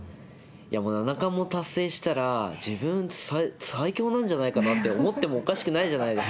もう七冠も達成したら、自分最強なんじゃないかなって思ってもおかしくないじゃないです